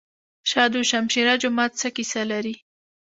شاه دوشمشیره جومات څه کیسه لري؟